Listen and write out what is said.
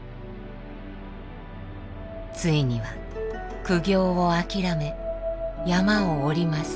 ついには苦行を諦め山を下ります。